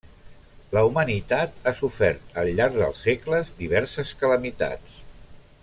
La humanitat ha sofert al llarg dels segles diverses calamitats.